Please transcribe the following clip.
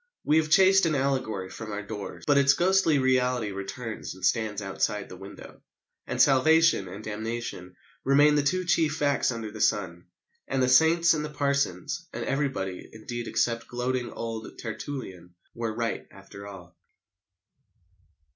We have chased an allegory from our doors, but its ghostly reality returns and stands outside the window. And salvation and damnation remain the two chief facts under the sun. And the saints and the parsons and everybody, indeed, except gloating old Tertullian were right after all.